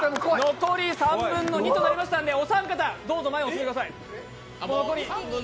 残り３分の２となりましたのでお三方、前へお越しください。